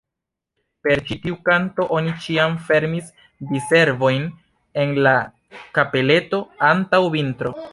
Per ĉi tiu kanto oni ĉiam fermis Di-servojn en la kapeleto antaŭ vintro.